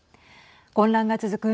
混乱が続く